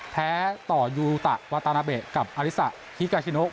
แพ้ต่อยูตะวาตานาเบะกับอลิสะฮิกาชิโน